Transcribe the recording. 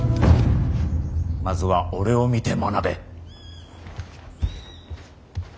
まずは俺を見て学べ。